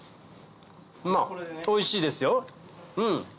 まぁおいしいですよ。